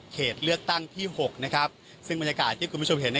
เขตเลือกตั้งที่๖ซึ่งบรรยากาศที่คุณผู้ชมเห็น